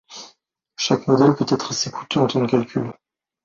Chaque modèle peut être assez coûteux en temps de calcul.